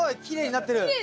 きれいになってる。